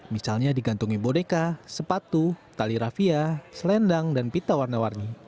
misalnya digantungi bodeka sepatu tali rafia selendang dan pita warna warni